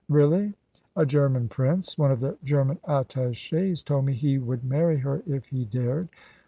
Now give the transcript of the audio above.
"Really?" "A German Prince. One of the German attachés told me he would marry her if he dared.